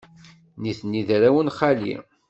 Nitni d arraw n xali.